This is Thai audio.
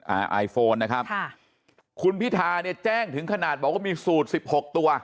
ไอโฟนนะครับค่ะคุณพิธาเนี่ยแจ้งถึงขนาดบอกว่ามีสูตรสิบหกตัว